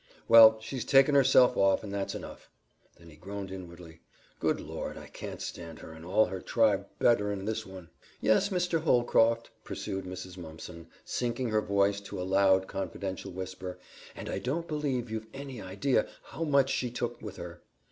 "Well, she's taken herself off, and that's enough." Then he groaned inwardly, "Good Lord! I could stand her and all her tribe bettern'n this one." "Yes, Mr. Holcroft," pursued Mrs. Mumpson, sinking her voice to a loud, confidential whisper, "and I don't believe you've any idea how much she took with her.